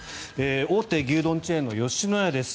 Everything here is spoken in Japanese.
大手牛丼チェーンの吉野家です。